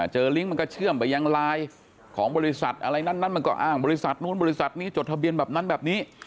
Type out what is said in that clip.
ลิงก์มันก็เชื่อมไปยังไลน์ของบริษัทอะไรนั้นมันก็อ้างบริษัทนู้นบริษัทนี้จดทะเบียนแบบนั้นแบบนี้